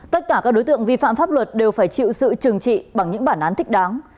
tất cả các đối tượng vi phạm pháp luật đều phải chịu sự trừng trị bằng những bản án thích đáng